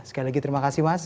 sekali lagi terima kasih mas